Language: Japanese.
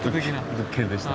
物件でした。